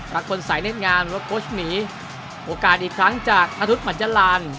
รักคนใส่เน็ตงามหรือว่าโกรธหมีโอกาสอีกครั้งจากพระธุรกิจมันจราน